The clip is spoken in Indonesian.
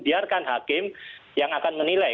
biarkan hakim yang akan menilai